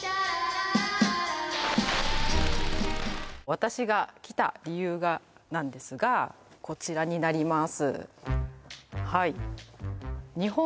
私が来た理由がなんですがこちらになります